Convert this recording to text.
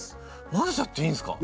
混ぜちゃっていいんですか？